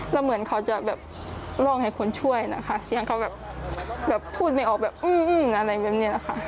แล้วเหมือนเขาจะแบบร้องให้คนช่วยนะคะเสียงเขาแบบพูดไม่ออกแบบอื้ออะไรแบบนี้แหละค่ะ